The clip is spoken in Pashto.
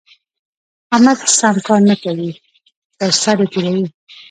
احمد سم کار نه کوي؛ تر سر يې تېروي.